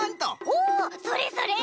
おおそれそれ！